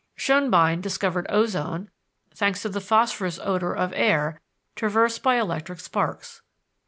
Schönbein discovered ozone, thanks to the phosphorous odor of air traversed by electric sparks.